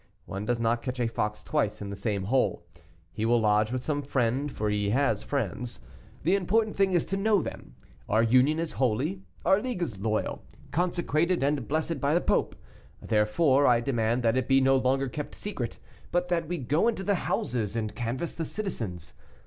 One does not catch a fox twice in the same hole. He will lodge with some friend, for he has friends. The important thing is to know them. Our union is holy, our league is loyal, consecrated and blessed by the Pope; therefore I demand that it be no longer kept secret, but that we go into the houses and canvass the citizens.